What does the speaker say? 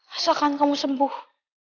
asalkan kamu sembuh